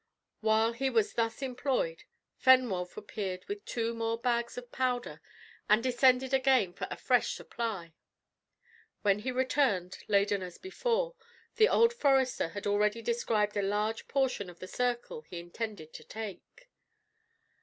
While he was thus employed, Fenwolf appeared with two more bags of powder, and descended again for a fresh supply. When he returned, laden as before, the old forester had already described a large portion of the circle he intended to take.